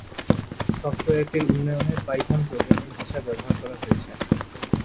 সফটওয়্যারটির উন্নয়নে Python programming ভাষা ব্যবহার করা হয়েছে।